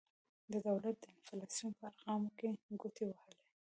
د دولت د انفلاسیون په ارقامو کې ګوتې وهلي.